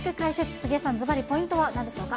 杉江さん、ずばり、ポイントはなんでしょうか。